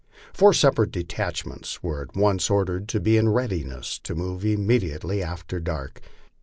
Four separate detachments were at once ordered to be in readiness to move immediately after dark.